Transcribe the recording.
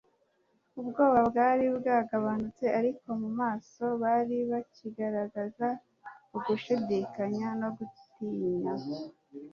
Ubwoba bwari bwagabanutse, ariko mu maso bari bakigaragaza ugushidikanya no gutinya.